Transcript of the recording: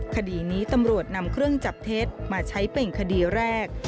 คดีนี้ตำรวจนำเครื่องจับเท็จมาใช้เป็นคดีแรก